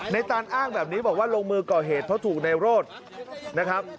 ตันอ้างแบบนี้บอกว่าลงมือก่อเหตุเพราะถูกในโรธนะครับ